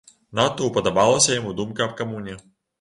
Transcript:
Надта ўпадабалася яму думка аб камуне.